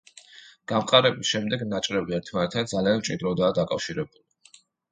გამყარების შემდეგ ნაჭრები ერთმანეთთან ძალიან მჭიდროდაა დაკავშირებული.